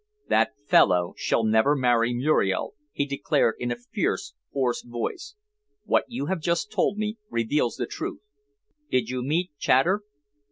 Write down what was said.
"That fellow shall never marry Muriel," he declared in a fierce, hoarse voice. "What you have just told me reveals the truth. Did you meet Chater?"